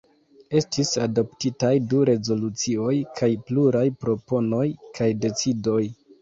Estis adoptitaj du rezolucioj kaj pluraj proponoj kaj decidoj.